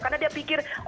karena dia pikir